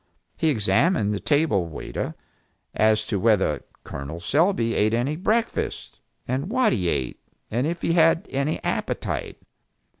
He examined the table waiter, as to whether Col. Selby ate any breakfast, and what he ate, and if he had any appetite.